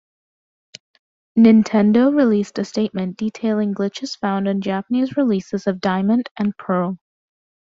Nintendo released a statement detailing glitches found in Japanese releases of "Diamond" and "Pearl".